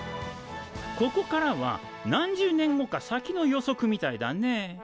ここからは何十年後か先の予測みたいだね。